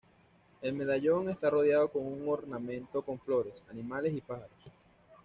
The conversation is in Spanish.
El medallón está rodeado con un ornamento con flores, animales y pájaros.